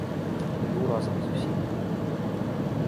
Іду разам з усімі.